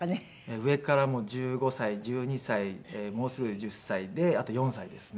上から１５歳１２歳もうすぐ１０歳であと４歳ですね。